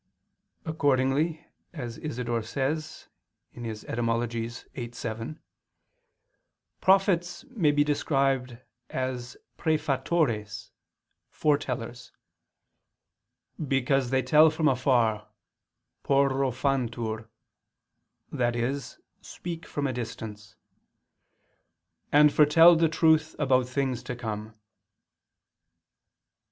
Accordingly, as Isidore says (Etym. viii, 7), "prophets" may be described as praefatores (foretellers), "because they tell from afar (porro fantur)," that is, speak from a distance, "and foretell the truth about things to come."